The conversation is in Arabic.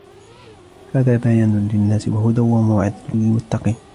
هَذَا بَيَانٌ لِلنَّاسِ وَهُدًى وَمَوْعِظَةٌ لِلْمُتَّقِينَ